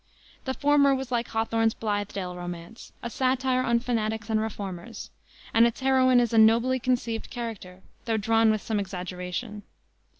The former was like Hawthorne's Blithedale Romance, a satire on fanatics and reformers, and its heroine is a nobly conceived character, though drawn with some exaggeration.